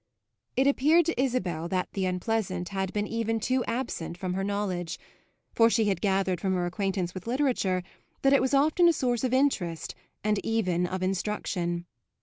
It appeared to Isabel that the unpleasant had been even too absent from her knowledge, for she had gathered from her acquaintance with literature that it was often a source of interest and even of instruction.